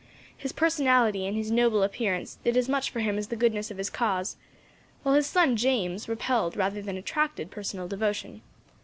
His personality, and his noble appearance, did as much for him as the goodness of his cause; while his son, James, repelled rather than attracted personal devotion.